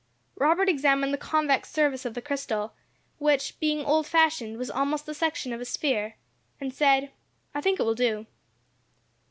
Robert examined the convex surface of the crystal, which being old fashioned, was almost the section of a sphere, and said, "I think it will do."